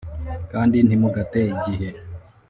kandi ntimugate igihe